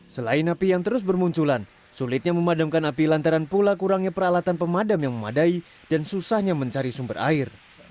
selain api yang terus bermunculan sulitnya memadamkan api lantaran pula kurangnya peralatan pemadam yang memadai dan susahnya mencari sumber air